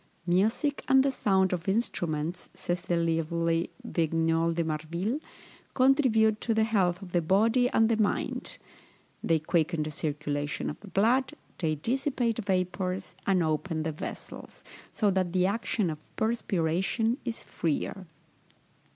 Music and the sounds of instruments, says the lively Vigneul de Marville, contribute to the health of the body and the mind; they quicken the circulation of the blood, they dissipate vapours, and open the vessels, so that the action of perspiration is freer.